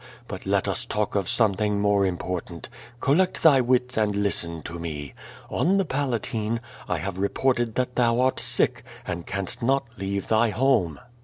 But let us talk of something more important. Collect thy wits, and listen to me. On the Palatine, I have reported that thou art sick, and canst not leave thy home.